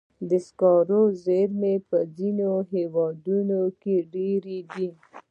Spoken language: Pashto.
د سکرو زیرمې په ځینو هېوادونو کې ډېرې دي.